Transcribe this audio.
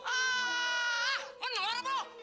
ah menolak lu